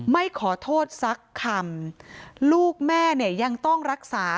ไม่ขอโทษสักคำลูกแม่เนี่ยยังต้องรักษา